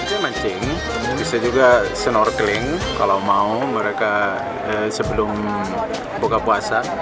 bisa mancing bisa juga snorkeling kalau mau mereka sebelum buka puasa